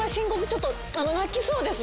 ちょっと泣きそうです。